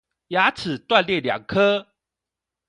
牙齒斷裂兩顆